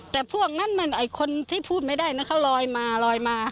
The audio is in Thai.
แต่พวกนั้นคนที่พูดไม่ได้เขาลอยมาลอยมา